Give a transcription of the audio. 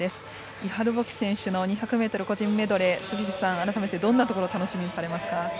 イハル・ボキ選手の２００ｍ個人メドレー杉内さん、改めてどんなところ楽しみにされますか？